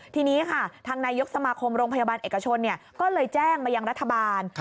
ทีนี้ค่ะทางนายกสมาคมโรงพยาบาลเอกชนก็เลยแจ้งมายังรัฐบาล